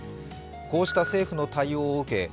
こうした政府の対応を受け